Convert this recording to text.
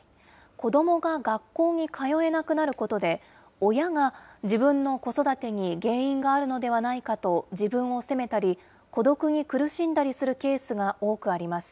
子どもが学校に通えなくなることで、親が、自分の子育てに原因があるのではないかと自分を責めたり、孤独に苦しんだりするケースが多くあります。